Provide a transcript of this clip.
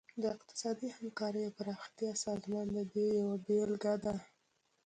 د اقتصادي همکارۍ او پراختیا سازمان د دې یوه بیلګه ده